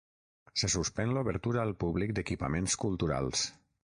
Se suspèn l’obertura al públic d’equipaments culturals.